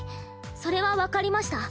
それは分かりました。